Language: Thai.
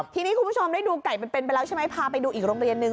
ทีนี้คุณผู้ชมได้ดูไก่มันเป็นไปแล้วใช่ไหมพาไปดูอีกโรงเรียนนึง